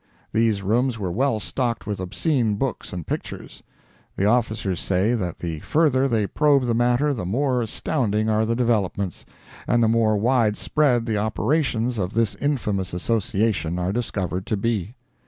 These rooms were well stocked with obscene books and pictures. The officers say that the further they probe the matter the more astounding are the developments, and the more widespread the operations of this infamous association are discovered to be.